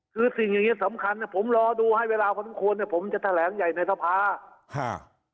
คือสิ่งอย่างเงี้สำคัญนะผมรอดูให้เวลาพอสมควรเนี่ยผมจะแถลงใหญ่ในสภาฮะ